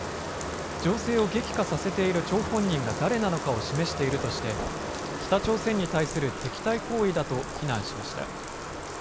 情勢を激化させている張本人が誰なのかを示しているとして北朝鮮に対する敵対行為だと非難しました。